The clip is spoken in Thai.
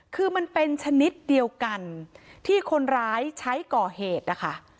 คือมันเป็นชนิดเดียวกันที่คนร้ายใช้ก่อเหตุนะคะ